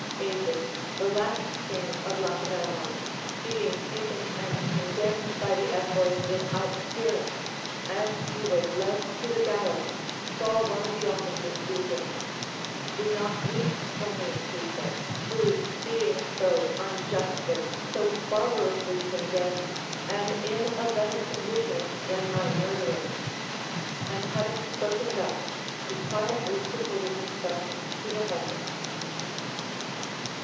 Agis, the last king of Lacedaemon, being taken and condemned by the Ephors without hearing, as he was led to the gallows, saw one of the officers weeping. Do not weep for me, he said, who, being so unjustly, so barbarously condemned, am in a better condition than my murderers. And having spoken thus, he quietly submitted himself to the halter.